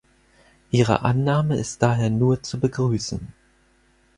Ihre Annahme ist daher nur zu begrüßen.